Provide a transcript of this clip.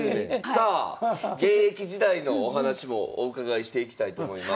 さあ現役時代のお話もお伺いしていきたいと思います。